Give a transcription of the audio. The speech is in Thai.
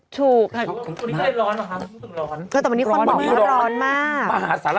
เท่านี้ได้ร้อนนะคะมันจะคงร้อน